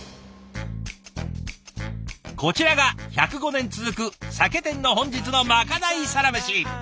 こちらが１０５年続く酒店の本日のまかないサラメシ。